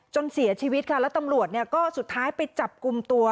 จนเสียชีวิตค่ะแล้วตำรวจเนี่ยก็สุดท้ายไปจับกลุ่มตัว